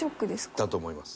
だと思います。